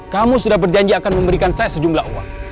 kamu sudah berjanji akan memberikan saya sejumlah uang